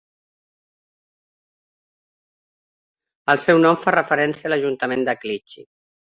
El seu nom fa referència a l'ajuntament de Clichy.